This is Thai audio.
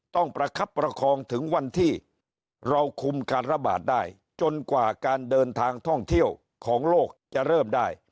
ประคับประคองถึงวันที่เราคุมการระบาดได้จนกว่าการเดินทางท่องเที่ยวของโลกจะเริ่มได้